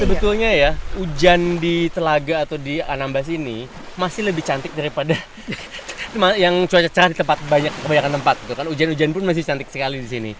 sebetulnya ya hujan di telaga atau di anambas ini masih lebih cantik daripada yang cuaca cerah di tempat kebanyakan tempat gitu kan hujan hujan pun masih cantik sekali di sini